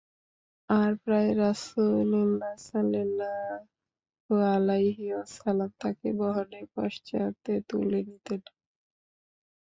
আর প্রায় রাসূলুল্লাহ সাল্লাল্লাহু আলাইহি ওয়াসাল্লাম তাঁকে বাহনের পশ্চাতে তুলে নিতেন।